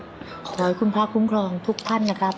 ขอให้คุณพระคุ้มครองทุกท่านนะครับ